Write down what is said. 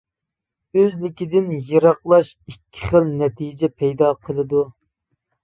ئۆزلۈكىدىن يىراقلاش ئىككى خىل نەتىجە پەيدا قىلىدۇ.